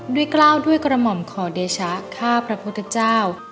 กล้าวด้วยกระหม่อมขอเดชะข้าพระพุทธเจ้า